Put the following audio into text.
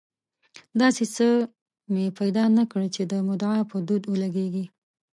داسې څه مې پیدا نه کړل چې د مدعا په درد ولګېږي.